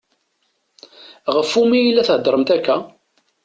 Ɣef umi i la theddṛemt akka?